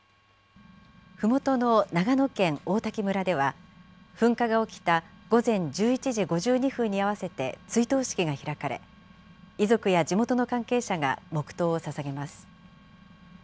ふもとの長野県王滝村では、噴火が起きた午前１１時５２分に合わせて、追悼式が開かれ、遺族や地元の関係者が黙とうをささげます。